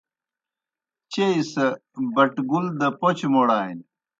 چیئی سہ بَٹگُل دہ پوْچہ موڑانیْ۔